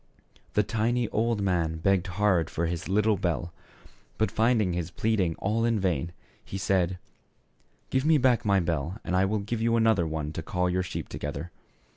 The tiny old man begged hard for his little bell ; but finding his pleading all in vain he said, "Give me back my bell and I will give you another one to call your sheep together.